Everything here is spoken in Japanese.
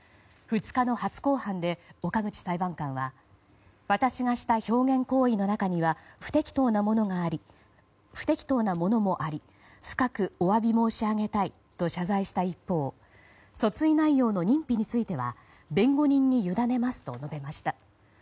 ２日の初公判で岡口裁判官は私がした表現行為の中には不適当なものもあり深くお詫び申し上げたいと謝罪した一方訴追内容の認否については弁護人に委ねますと述べました。